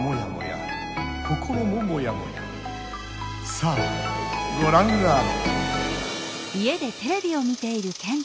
さあごらんあれ！